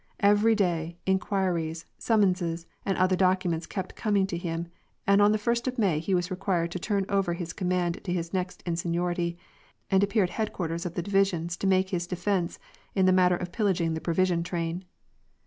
Every day, inquiries, sum monses, and other documents kept coming to him, and on the first of May he was required to turn over his command to his next in seniority, and appear at headquarters of the divisions to make his defence in the matter of pillaging the provision train.